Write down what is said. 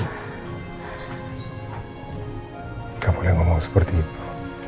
tidak boleh ngomong seperti itu